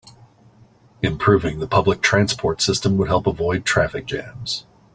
Improving the public transport system would help avoid traffic jams.